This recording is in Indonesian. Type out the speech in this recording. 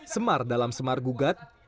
semar dalam semar gugat